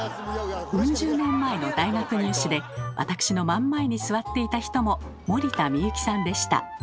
ウン十年前の大学入試で私の真ん前に座っていた人も森田みゆきさんでした。